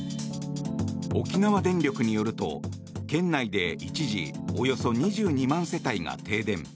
沖縄電力によると県内で一時、およそ２２万世帯が停電。